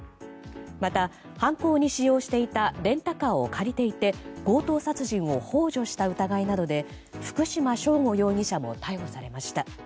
また、犯行に使用していたレンタカーを借りていて強盗殺人を幇助した疑いなどで福島聖悟容疑者も逮捕されました。